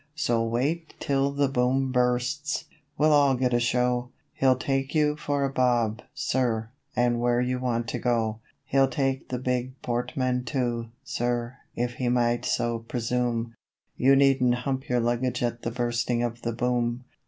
So wait till the Boom bursts! we'll all get a show; He'll 'take you for a bob, sir,' and where you want to go. He'll 'take the big portmanteau, sir, if he might so presume' You needn't hump your luggage at the Bursting of the Boom.